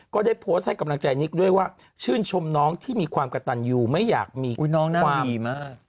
ก็ได้โพสต์ให้กำลังใจนิกด้วยว่าชื่นชมน้องที่มีความกระตันอยู่ไม่อยากมีความดีมาก